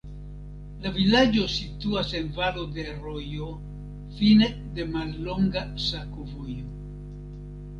La vilaĝo situas en valo de rojo, fine de mallonga sakovojo.